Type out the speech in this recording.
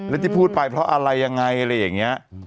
แล้วที่พูดไปเพราะอะไรยังไงอะไรอย่างนี้